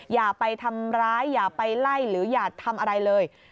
อย่าไปทำร้ายอย่าไปไล่หรืออย่าทำอะไรเลย